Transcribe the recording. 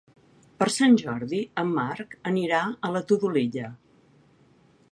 Per Sant Jordi en Marc anirà a la Todolella.